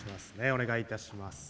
お願いいたします。